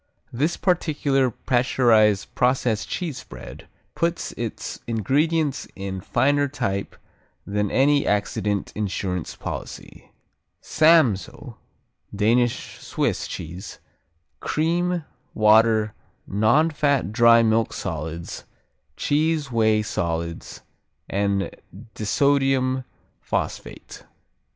This particular pasteurized process cheese spread puts its ingredients in finer type than any accident insurance policy: Samsoe (Danish Swiss) cheese, cream, water, non fat dry milk solids, cheese whey solids and disodium phosphate.